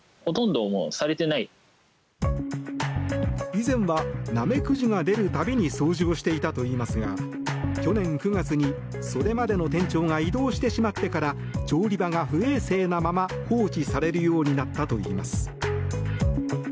以前はナメクジが出る度に掃除をしていたといいますが去年９月にそれまでの店長が異動してしまってから調理場が不衛生なまま放置されるようになったといいます。